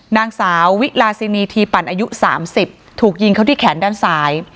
นางสาววิลาซินีทีปั่นอายุ๓๐ถูกยิงเขาที่แขนด้านซ้าย